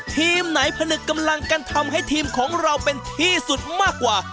ทีมไหนผนึกกำลังกันทำให้ทีมของเราเป็นที่สุดมากกว่า